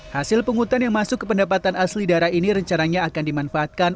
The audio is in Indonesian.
hasil penghutan yang masuk ke pendapatan asli daerah ini rencananya akan dimanfaatkan